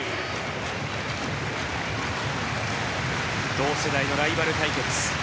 同世代のライバル対決。